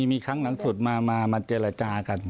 มีครั้งหลังสุดมาเจรจากัน